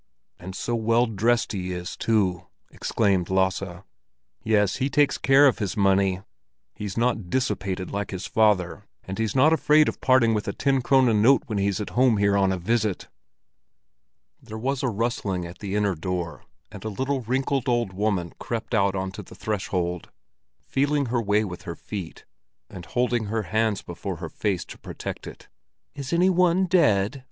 "And so well dressed he is too!" exclaimed Lasse. "Yes, he takes care of his money. He's not dissipated, like his father; and he's not afraid of parting with a ten krone note when he's at home here on a visit." There was a rustling at the inner door, and a little, wrinkled old woman crept out onto the threshold, feeling her way with her feet, and holding her hands before her face to protect it. "Is any one dead?"